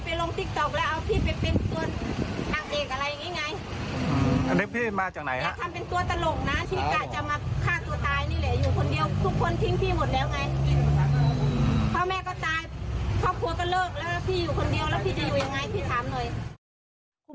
พ่อแม่ก็ตายครอบครัวก็เลิกแล้วพี่อยู่คนเดียวแล้วพี่จะอยู่ยังไงพี่ถามหน่อย